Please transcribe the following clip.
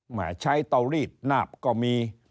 ใช้เตารีดนาบก็มี